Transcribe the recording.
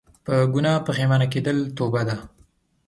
په ګناه پښیمانه کيدل توبه ده